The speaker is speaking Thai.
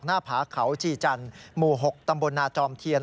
ผาเขาชีจันทร์หมู่๖ตำบลนาจอมเทียน